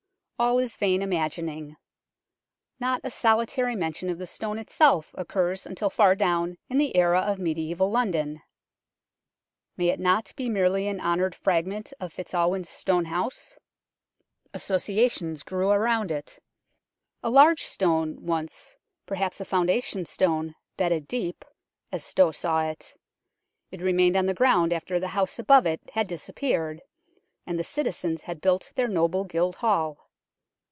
All is vain imagining. Not a solitary mention of the Stone itself occurs until far down in the era of mediaeval London. May it not be merely an honoured fragment of FitzAl win's stone house ? Associations grew around it. A large stone once perhaps a foundation stone, bedded deep, as Stow saw it, it remained on the ground after the house above it had disappeared, and the citizens had built their noble Guildhall.